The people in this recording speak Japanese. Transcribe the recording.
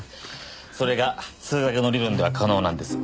それが数学の理論では可能なんです。